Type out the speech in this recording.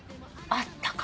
あったか。